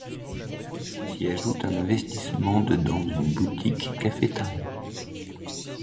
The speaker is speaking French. S'y ajoute un investissement de dans une boutique cafétéria.